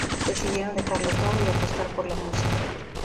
Decidieron dejarlo todo y apostar por la música.